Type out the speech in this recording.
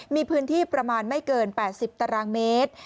มีพื้นที่ประมาณไม่เกิน๘๐ตารางเมตร